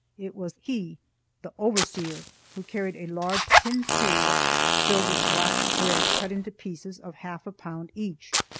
It was "he", the overseer, who carried a large tin pail filled with black bread cut into pieces of half a pound each.